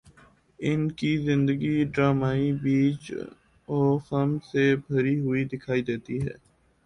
ان کی زندگی ڈرامائی پیچ و خم سے بھری ہوئی دکھائی دیتی ہے۔